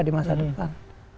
di masa depan